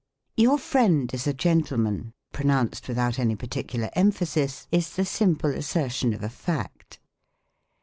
" Your friend is a gentlemen," pronounced without any particular emphasis, is the simple assertion of a fact.